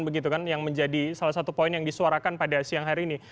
begitu kan yang menjadi salah satu poin yang disuarakan pada siang hari ini